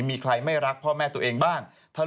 มีใครไม่รักพ่อแม่ตัวเองบ้าง